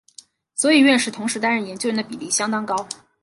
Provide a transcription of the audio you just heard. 所以院士同时担任研究员的比率相当高。